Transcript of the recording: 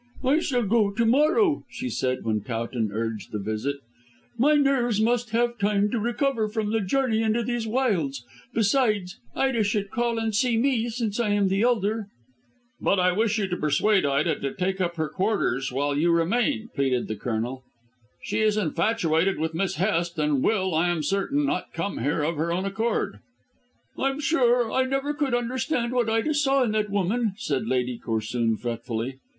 "I shall go to morrow," she said when Towton urged the visit. "My nerves must have time to recover from the journey into these wilds. Besides, Ida should call and see me, since I am the elder." "But I wish you to persuade Ida to take up her quarters here while you remain," pleaded the Colonel. "She is infatuated with Miss Hest and will, I am certain, not come here of her own accord." "I'm sure I never could understand what Ida saw in that woman," said Lady Corsoon fretfully.